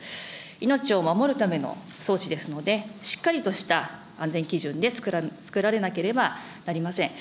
命を守るための装置ですので、しっかりとした安全基準でつくられなければなりません。